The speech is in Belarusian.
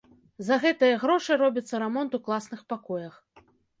За гэтыя грошы робіцца рамонт у класных пакоях.